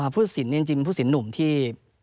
พูดสินจริงพูดสินนุ่มที่